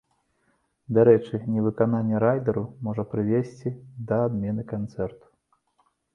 Дарэчы, невыкананне райдэру можа прывесці да адмены канцэрту.